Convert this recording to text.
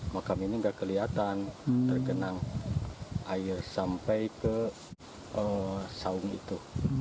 makam ini tidak kelihatan terkenang air sampai ke saung itu